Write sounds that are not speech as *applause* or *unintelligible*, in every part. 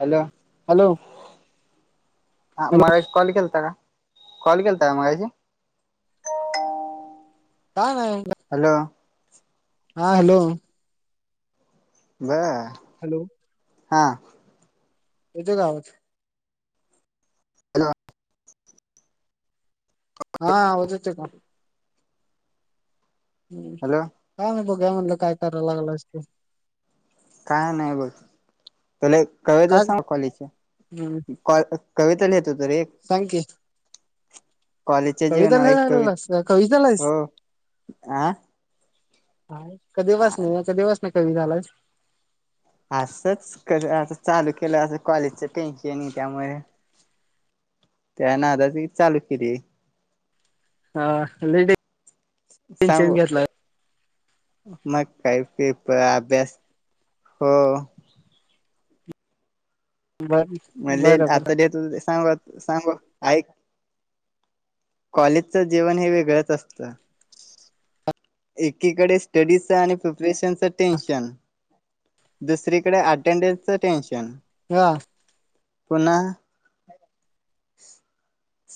Hello hello हा hello महाराज call केलता का कॉल केलता का माराज का नाही म्हंटला? हॅलो हा हॅलो ब हॅलो हा. येतो का आवाज? ह *unintelligible* हा आवाज येतोय का? ' हम् हॅलो काय नाही, बघुया म्हणलं काय कराय लागलास ते? काय नाय बघ? तुला एक कविता काय सांगु कॉलेज हम्म ची. काय कविता लिहित होतो रे एक. सांग की कॉलेजच्या कविता जीवनावर एक लिहायला कवीत लागलास का? कविता लिहायलास हो, आ. हा क दिवस नाही याचा दिवस नाही कमी झालाय *inaudible* *inaudible* आसंच क असं चालू केलंय, असं कॉलेजच टेनशन ए त्यामुळे त्यान आता ती चालू केली हा सांग लेडीशन घेतला मग काही पेपर अभ्यास हो बर मले बरं बरं आता देत सांगु का सांगु ऐक. कॉलेजचं जीवन हे वेगळंच असतं. एकीकडे स्टडीचा आणि प्रिपरेशनच टेन्शन. दुसरीकडे अटेंडंसच टेन्शन. हा. पुन्हा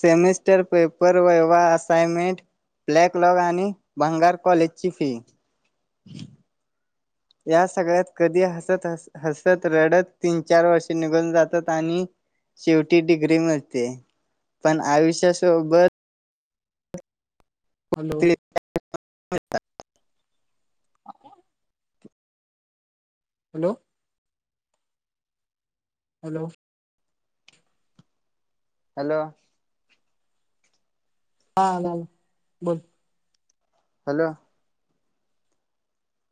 semester paper, viva, assignment black log आणि भंगार कॉलेजची फी ह या सगळ्यात कधी हसत हस हसत, रडत तीन चार वर्षे निघून जातात आणि शेवटी डिग्री मिळते, पण आयुष्यासोबत हॅलो हा काय? Hello hello. हॅलो हा झाल, बोल. हॅलो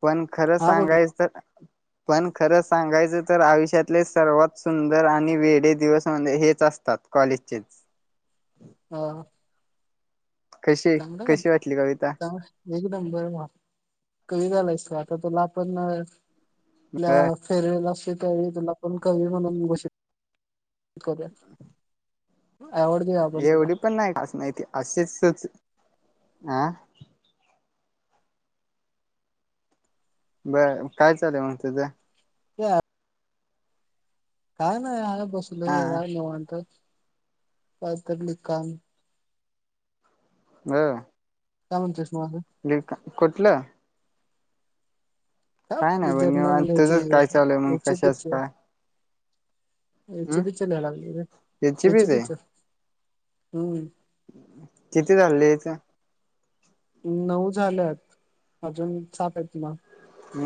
पण खरं हा बोल की सांगायच तर पण खरं सांगायचं तर आयुष्यातले सर्वात सुंदर आणि वेडे दिवस म्हणजे हेच असत त्यात कॉलेजचेच हा आ. कशी काम काय कशी वाटली कविता करतात? एक नंबर भावा. कमी झालायस आता तुला आपण ब आप फेरवेल तुला पण कवी म्हणून घोष करूया आवड देऊ आपण त्याला एवढी पण नाहीस खास माहिती अशीचच अं बर, काय चालू हाय मग तुझं? ह *unintelligible* काय नाही या आलो बसलं हा निवांत काहीतली *unintelligible* काम ह का म्हनचत नि अ का कुठलं काय आपली नाही बण जर्नल आणि लिहायचे तुझंच काय चालूय मग याचे कशाचं काय हची हम् पिच नाही हग याची हची बीच आहे पिच हम्म किती झाललेथं नऊ झाल्यात अजून सात येत ना बाकी त ह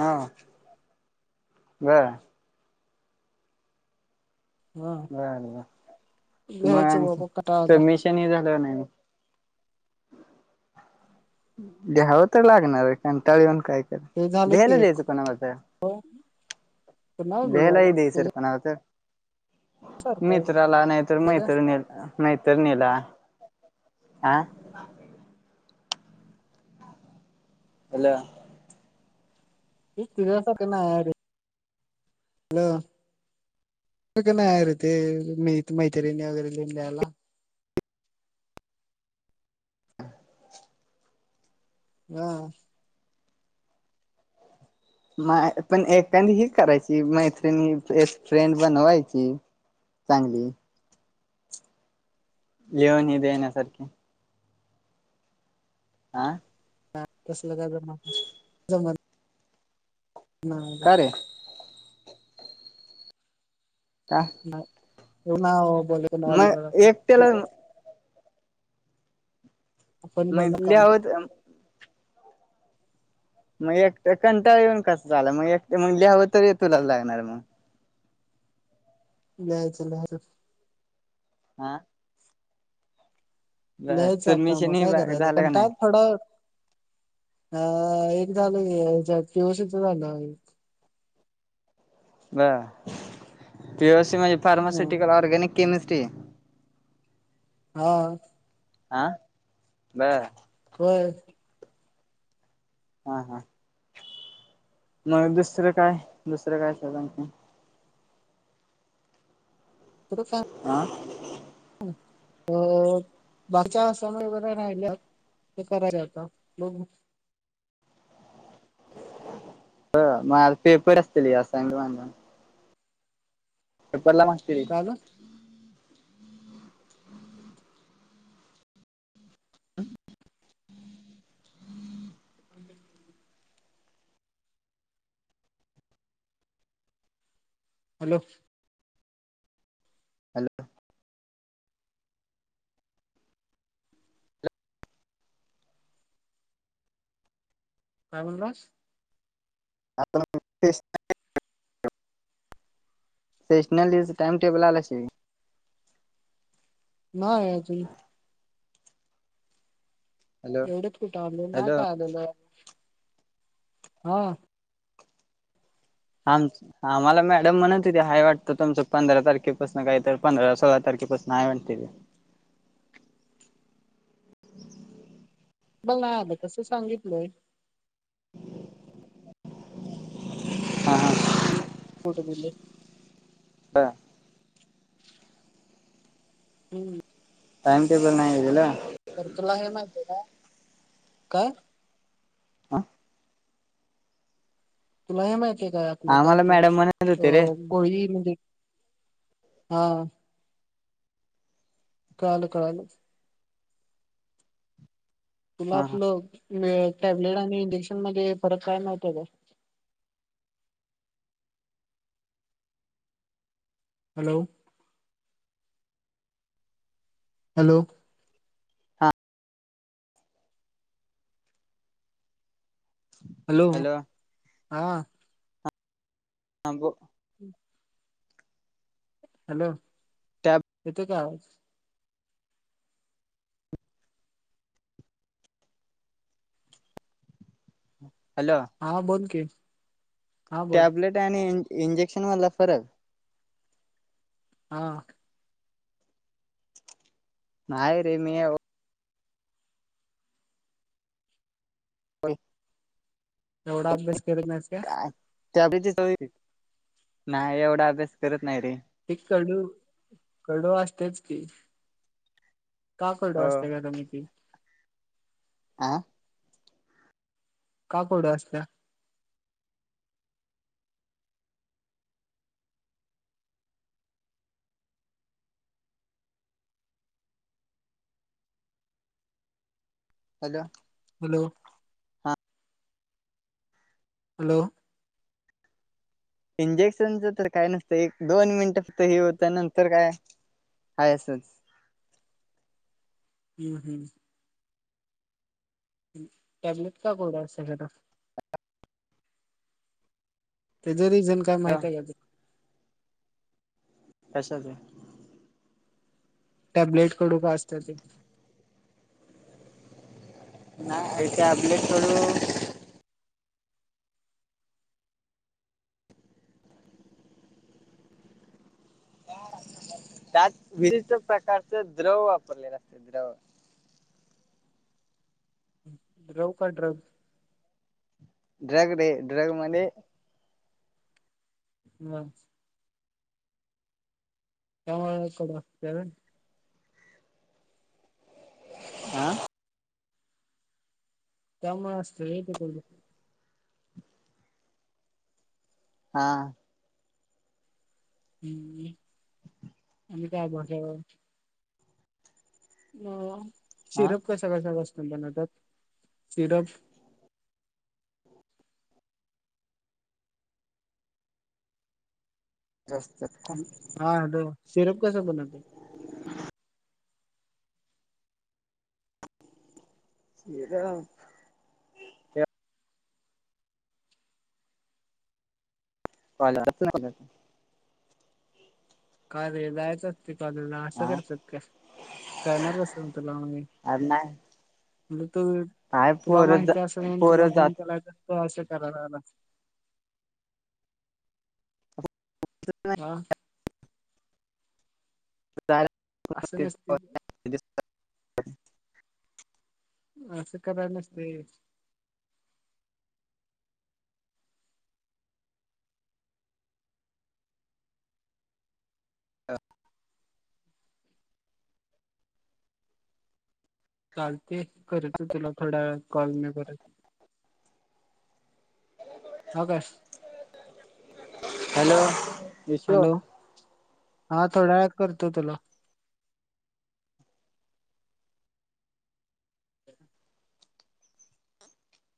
ब हा बर बर लिहायचं मग बाबा कंटाळा आला सबमिशन ह झालं नाही द्यावं तर लागणार आहे कंटाळ येऊन काय कर हे झालं ल्याहायला की एक द्यायचं कोणा माझ पुन्हा लिहू बेला बाबा इे सर पणावा तर सारखं आहे मित्राला नाहीतर का मैत्रिणी मैत्रिणीला आह अला तेक नारे हॅलो का नाही आहेरे ते मी मैत्रिणी वगैरे लि द्यायला हम म पण एखादी ही करायची मैत्रिणी एक फ्रेंड बनवायची चांगली लिऊन ह देण्यासारखे आह कसलं का जमा जमत ह का का ह ना मग एकट्याला आपण भरलं काम म्हटल्यावर मग एकट कंटाळ येऊन कसं झालं मग एकट मग लाहाव तरी तुला लागणार मग लिहायचं नातं आलं हा बर लिहायचा आता मग सबमिशन ही काय झालं करायचं का नाही टाईप थोडं ह एक झालंवसच झा ना *unintelligible* ब पीओ सी म्हणजे फार्मास्युटिकल ऑर्गॅनिक केमिस्ट्री हा आह बर हो हा हा मग दुसरं काय दुसरं काय सधण त हा अ बाचा समय बरा राला ते खरार होता म ह मग आता पेपर असतली अस पेपरला मास्ते काय झालं हम ह *inaudible* हॅलो हॅलो काय म्हनराज आता *unintelligible* सेशनइज टाइम टेबल आल असे. ना हाय ऍक्च्युली. हॅलो एवढेच कुठे आल नाय हॅलो काय आलेल हा. आम आम्हाला मॅडम म्हणत होती हय वाटतं तुमचं पंधरा तारखेपासून काही तर पंधरा सोळा तारखेपासून आहे म्हणते. बघ नाय आलं कसं सांगितलय. हा हा कुठ बोलले? आ हम्म टाईम टेबल नाय आलेला? तर तुला हे माहिती आहे का काय? आ तुला हे माहित आहे का आपलं काय आम्हाला ते मॅडम म्हणत होते रे अ गोळी मध्ये आ कळालं कळालं. तूला हा हा आपलो तुला टॅबलेट आणि इंजेक्शन मध्ये फरक काय माहिती हाय का? हॅलो? हॅलो! हॅलो हा. आ गो हॅलो टॅब येते काय आवाज? हा बोल की. हा बोल टॅब्लेट आणि इ इंजेक्शन मधला फरक? हा. नाय रे मी होय! एवढा अभ्यास करत नाहीस का? त्या आधीचीच सवय हाय की नाही एवढा अभ्यास करत नाही रे ते कडू कडू असतेच की. का कडू हो असते मी ती? आ का कडू असत्या? हॅलो? हॅलो! आ हॅलो? इंजेक्शनचं तर काय नसत एक दोन मिनिट फक्त हे होत नंतर काय हायसच. हम्म हम्म. हम टॅबलेट का गोडा हेड. जरी जण काय ह माहित हाय का तु? कशाचा? टॅबलेट कडू का असत ते? नाय टॅबलेट कडू? *unintelligible* त्यात विविध प्रकारच द्रव वापरलेला असत द्रव. द्रव का दव? ड्रगडे ड्रग म ब *unintelligible* आं त्या मुळं असतय नई तिकडचं. हां हम्म, आणि काय *unintelligible* म हा सिरप कसा कसा कस बनतात सिरप. जास्त अं हा हॅलो, सिरप कसा बनतात? *unintelligible* *unintelligible* का रे जायचं. *unintelligible* असं हा करत्यात काय? करणार कसं म्हत ला मी. अर नाही तु काय तुला पोर माहिती असेल म्हणून पोर तुला फोन जात केला तर तू आसं क रा रा रा आं असं नसते *unintelligible* असं कराय नसते. चालतंय, करतो तुला थोड्या वेळात कॉल मी परत. हां काय. हॅलो, यशु. हां थोड्या वेळात करतो तुला.